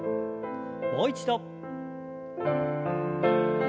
もう一度。